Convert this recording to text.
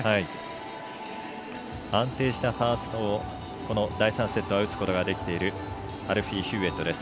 安定したファーストをこの第３セットは打つことができているアルフィー・ヒューウェットです。